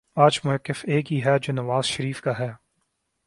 آج مؤقف ایک ہی ہے جو نواز شریف کا ہے